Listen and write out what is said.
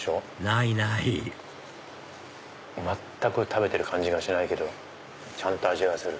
ないない全く食べてる感じがしないけどちゃんと味がする。